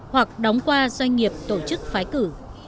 hoặc đóng qua doanh nghiệp tổ chức phái cử